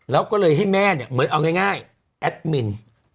แล้วก็เลยให้แม่เนี่ยเหมือนเอาง่ายแอดมิน